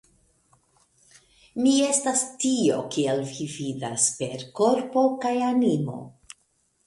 Mi estas tio, kiel vi vidas, per korpo kaj animo.